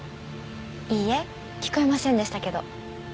いいえ聞こえませんでしたけど。